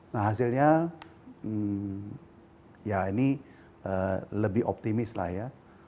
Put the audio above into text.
nah hasilnya ya ini lebih optimis lah ya